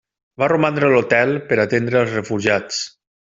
Va romandre a l'hotel per atendre als refugiats.